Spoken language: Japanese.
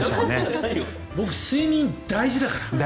僕、睡眠大事だから。